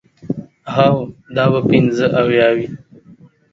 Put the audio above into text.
هو، دا به پنځه اویا وي.